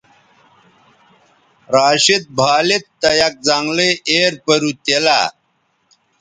راشد بھالید تہ یک زنگلئ ایر پَرُو تیلہ